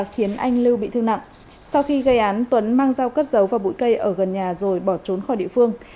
khiến anh lưu bị thương nặng sau khi gây án tuấn mang dao cất giấu và bụi cây ở gần nhà rồi bỏ trốn khỏi địa phương